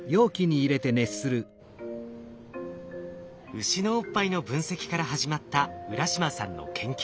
ウシのおっぱいの分析から始まった浦島さんの研究。